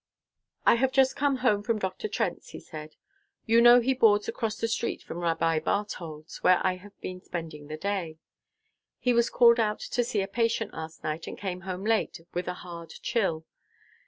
"I have just come home from Dr. Trent's," he said. "You know he boards across the street from Rabbi Barthold's, where I have been spending the day. He was called out to see a patient last night, and came home late, with a hard chill.